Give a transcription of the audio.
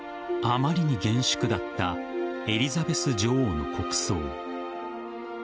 あまりに厳粛だったエリザベス女王の国葬。